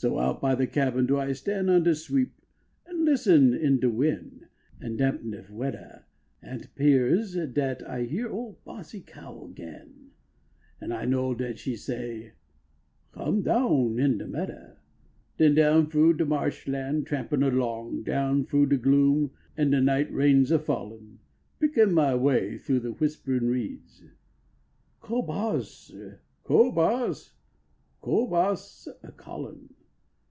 So out by <\e cabin do I stan on de sweep, An listen in de win an dampniif weddah, An t pears dat I hear ole bossie cow agin, An 1 low dat she say "Come down in de meddah. Den down iroo de marsh land trampin along, Down froo de gloom an de night rains a fallin , Pirkin my way through the whisperin reeds, "Co boss, co boss, co boss" a callin